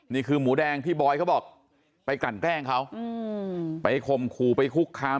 หมูแดงที่บอยเขาบอกไปกลั่นแกล้งเขาไปข่มขู่ไปคุกคาม